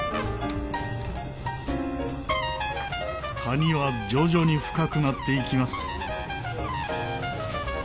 谷は徐々に深くなっていきます。